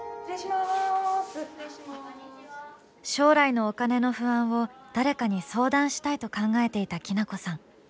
将来のお金の不安を誰かに相談したいと考えていたきなこさん。